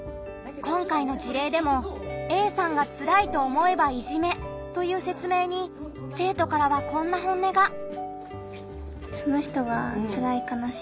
今回の事例でも「Ａさんがつらいと思えばいじめ」という説明に生徒からはこんな本音が。